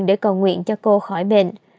để cầu nguyện cho cô khỏi bệnh